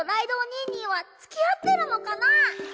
にーにーはつきあってるのかな？